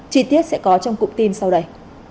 tri tiết sẽ có trong cụm tin sau đây